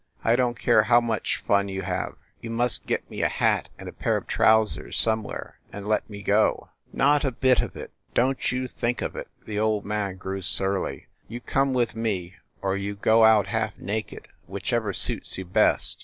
I don t care how much fun you have. You must get me a hat and a pair of trousers somewhere, and let me go!" 56 FIND THE WOMAN "Not a bit of it ; don t you think of it !" The old man grew surly. "You come with me, or you go out half naked, whichever suits you best.